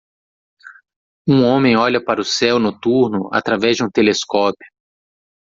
Um homem olha para o céu noturno através de um telescópio.